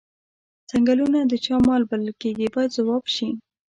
څنګلونه د چا مال بلل کیږي باید ځواب شي.